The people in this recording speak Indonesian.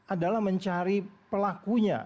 adalah mencari pelakunya